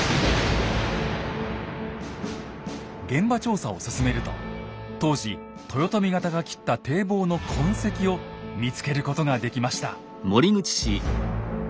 現場調査を進めると当時豊臣方が切った堤防の痕跡を見つけることができました。